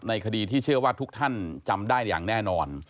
คดีที่เชื่อว่าทุกท่านจำได้อย่างแน่นอน